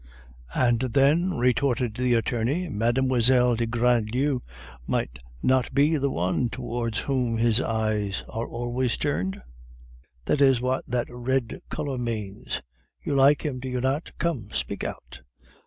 "And then," retorted the attorney, "Mlle. de Grandlieu might not be the one towards whom his eyes are always turned? That is what that red color means! You like him, do you not? Come, speak out."